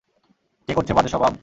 কে করছে বাজে সবাব?